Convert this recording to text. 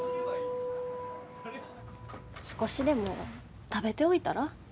少しでも食べておいたら？